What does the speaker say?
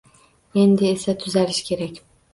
Endi esa tuzalish kerak.